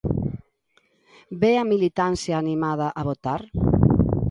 Ve a militancia animada a votar?